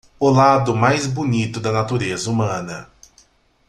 O lado mais bonito da natureza humana